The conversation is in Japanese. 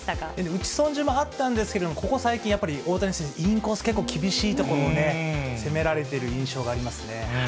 打ち損じもあったんですけれども、ここ最近、やっぱり大谷選手、インコース結構厳しいところをね、攻められている印象がありますね。